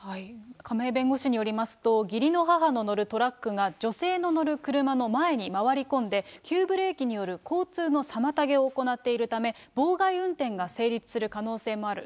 亀井弁護士によりますと、義理の母の乗るトラックが、女性の乗る車の前に回り込んで、急ブレーキによる交通の妨げを行っているため、妨害運転が成立する可能性もある。